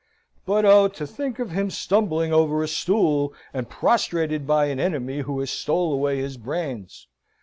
But oh, to think of him stumbling over a stool, and prostrated by an enemy who has stole away his brains!